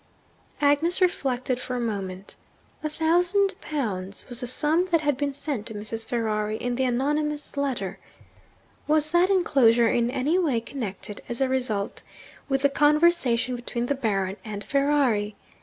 Agnes reflected for a moment. A thousand pounds was the sum that had been sent to Mrs. Ferrari in the anonymous letter. Was that enclosure in any way connected, as a result, with the conversation between the Baron and Ferrari?